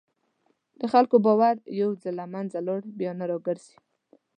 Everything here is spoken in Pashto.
د خلکو باور یو ځل له منځه لاړ، بیا نه راګرځي.